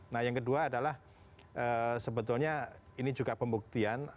nah yang kedua adalah sebetulnya ini juga pembuktian